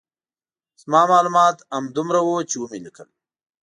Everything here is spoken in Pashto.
زما معلومات همدومره وو چې ومې لیکل.